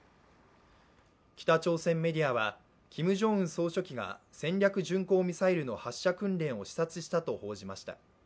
北朝鮮メディアはキムジョンウン総書記が戦略巡航ミサイルの発射訓練を視察したと報じました。